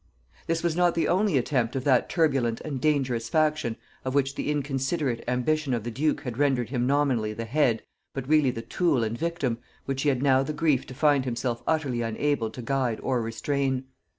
This was not the only attempt of that turbulent and dangerous faction of which the inconsiderate ambition of the duke had rendered him nominally the head but really the tool and victim, which he had now the grief to find himself utterly unable to guide or restrain.